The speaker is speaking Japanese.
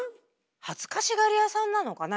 恥ずかしがり屋さんなのかな？